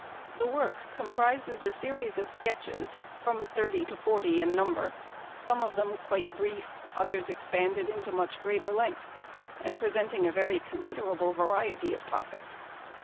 The work comprises a series of sketches, from thirty to forty in number, some of them quite brief, others expanded into much greater length, and presenting a very considerable variety of topics.